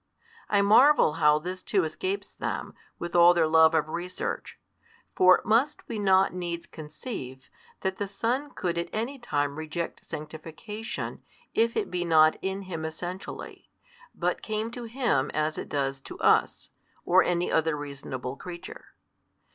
I marvel how this too escapes them, with all their love of research. For must we not needs conceive, that the Son could at any time reject sanctification, if it be not in Him essentially, but came to Him as it does to us, or any other reasonable creature?